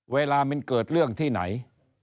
เวลามันเกิดเรื่องที่ไหน